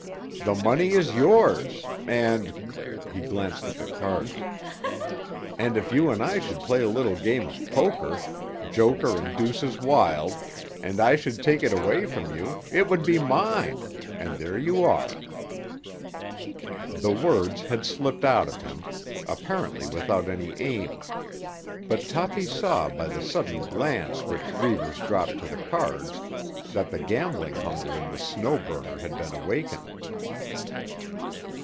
The money is yours; and—" he glanced at the cards "—and if you and I should play a little game of poker, joker and deuces wild, and I should take it away from you, it would be mine; and there you are." The words had slipped out of him, apparently without any aim; but Toppy saw by the sudden glance which Reivers dropped to the cards that the gambling hunger in the Snow Burner had been awakened.